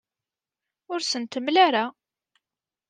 Ur as-ten-id-temla ara.